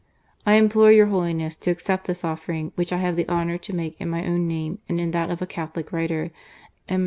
I implore your Holiness to accept this offering which I have the honour to make in my own name and in that of a Catholic writer, M.